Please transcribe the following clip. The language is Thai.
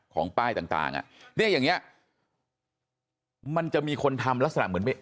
ป้ายต่างต่างอ่ะเนี่ยอย่างเนี้ยมันจะมีคนทำลักษณะเหมือนไป